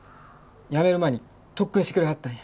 辞める前に特訓してくれはったんや。